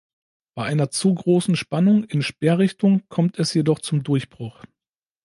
Bei einer zu großen Spannung in Sperrrichtung kommt es jedoch zum Durchbruch.